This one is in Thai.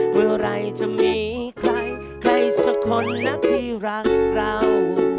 เมื่อไหร่จะมีใครใครสักคนนะที่รักเรา